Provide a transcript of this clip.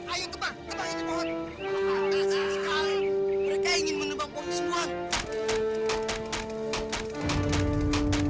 ayo tembak tembak ini pohon